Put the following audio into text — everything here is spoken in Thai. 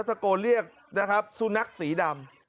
ตะโกนเรียกนะครับสุนัขสีดำ